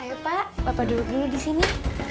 ayo pak bapak duduk dulu disini